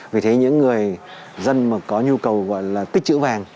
vì thế những người dân có nhu cầu tích chữ vàng